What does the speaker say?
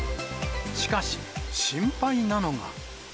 しかし、心配なのが。